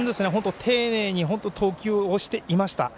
丁寧に投球をしていました。